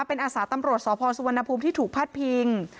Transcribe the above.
เป็นอาสาตำรวจสพสุวรรณภูมิที่ถูกพัดพิง